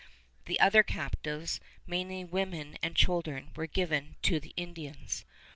The other captives, mainly women and children, were given to the Indians.